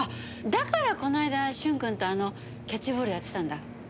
だからこの間駿君とキャッチボールやってたんだ。